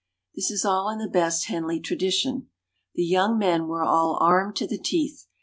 This is all in the best Henley tradition. The "young men" were all armed to the teeth.